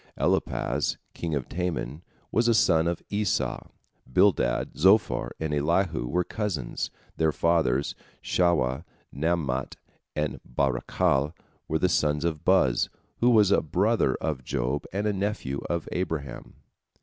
Eliphaz, king of Teman, was a son of Esau; Bildad, Zophar, and Elihu were cousins, their fathers, Shuah, Naamat, and Barachel, were the sons of Buz, who was a brother of Job and a nephew of Abraham.